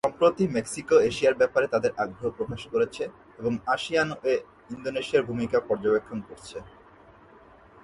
সম্প্রতি মেক্সিকো এশিয়ার ব্যাপারে তাদের আগ্রহ প্রকাশ করেছে এবং আসিয়ান-এ ইন্দোনেশিয়ার ভূমিকা পর্যবেক্ষণ করছে।